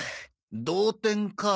同点かあ。